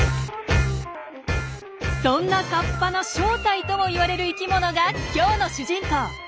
そんなカッパの正体ともいわれる生きものが今日の主人公。